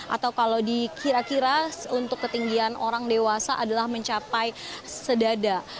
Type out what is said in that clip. atau kalau dikira kira untuk ketinggian orang dewasa adalah mencapai sedada